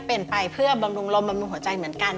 ไปเพื่อบำรุงลมบำรุงหัวใจเหมือนกัน